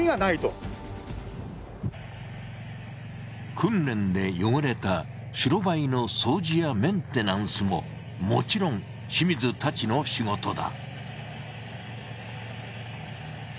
訓練で汚れた白バイの掃除やメンテナンスももちろん清水たちの仕事だ。